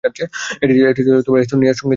এটি ছিল এস্তোনিয়ার "সঙ্গীত বিপ্লব"।